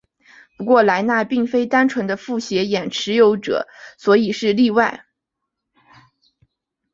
不过莱纳并非单纯的复写眼持有者所以是例外。